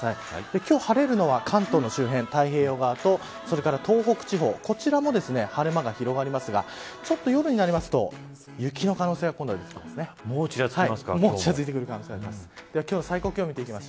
今日晴れるのは関東の周辺太平洋側と東北地方こちらも晴れ間が広がりますが夜になりますと雪の可能性が出てきます。